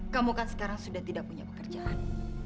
kamu kan sekarang sudah tidak punya pekerjaan